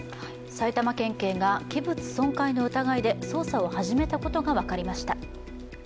埼玉県警が器物損壊の疑いで捜査を始めたことが分かりました。